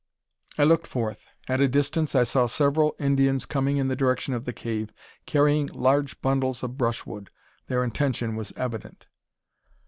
I looked forth. At a distance I saw several Indians coming in the direction of the cave, carrying large bundles of brushwood. Their intention was evident.